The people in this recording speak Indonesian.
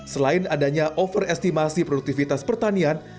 selain adanya overestimasi produktivitas pertanian